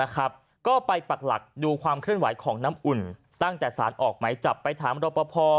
ก็ไปปักหลักดูความเคลื่อนไหวของน้ำอุ่นตั้งแต่สารออกไหมจับไปถามรอปภ